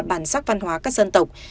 bản sắc văn hóa các dân tộc